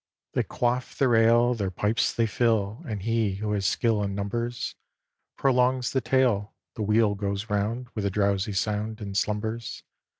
They quaff their ale, Their pipes they fill, And he, who has skill In numbers, Prolongs the tale; The wheel goes round With a drowsy sound And slumbers.